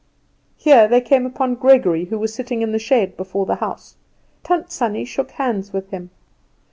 Here they came upon Gregory, who was sitting in the shade before the house. Tant Sannie shook hands with him.